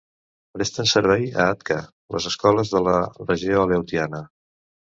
Presten servei a Atka les escoles de la regió aleutiana.